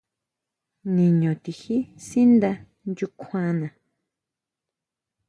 Niño tijí sínda nyukjuana.